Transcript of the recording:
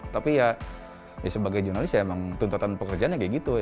tapi ya sebagai jurnalis ya emang tuntutan pekerjaannya kayak gitu